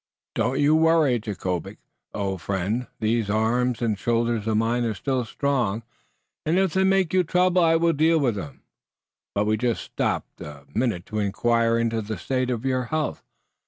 "Don't you worry, Jacob, old friend. These arms and shoulders of mine are still strong, and if they make you trouble I will deal with them. But we just stopped a minute to inquire into the state of your health.